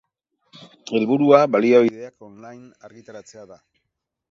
Helburua baliabideak online argitaratzea da.